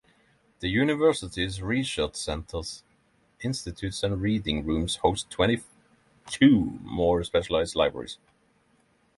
The university's research centres, institutes and reading rooms host twenty-two more specialized libraries.